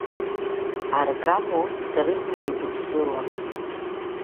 Аргама урҭ царызма еидыԥсыла.